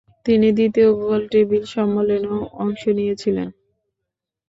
তিনি দ্বিতীয় গোলটেবিল সম্মেলনেও অংশ নিয়েছিলেন।